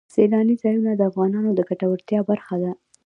سیلانی ځایونه د افغانانو د ګټورتیا برخه ده.